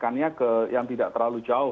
yang tidak terlalu jauh yang tidak terlalu jauh